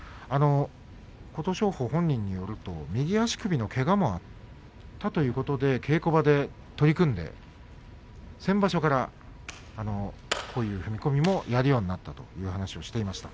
琴勝峰本人によると右足首のけがもあったということで稽古場で取り組んで先場所からこういう踏み込みもやるようになったという話をしていました。